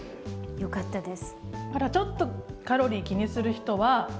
よかったです。